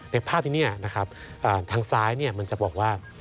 ภาพที่นี่นะครับทางซ้ายมันจะบอกว่า